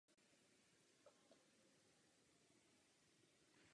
V presbytáři je valená klenba s třemi lunetami v závěru.